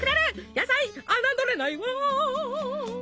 野菜侮れないわ！